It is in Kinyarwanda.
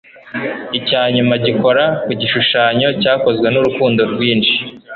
icya nyuma gikora ku gishushanyo cyakozwe nurukundo rwinshi